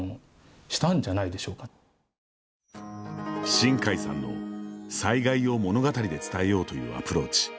新海さんの、災害を物語で伝えようというアプローチ。